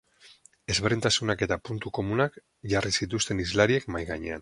Ezberdintasunak eta puntu komunak jarri zituzten hizlariek mahai gainean.